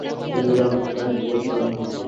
তিনি চরমপন্থি রাজনীতিতে জড়িয়ে পড়েন।